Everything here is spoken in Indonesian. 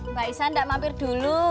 mbak isan tidak mampir dulu